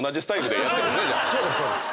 そうですそうです。